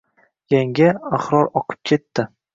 Yanga, Ahror oqib ketdi